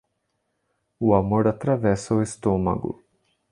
O amor atravessa o estômago.